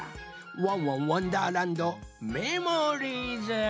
「ワンワンわんだーらんどメモリーズ」。